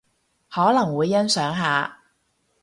可能會欣賞下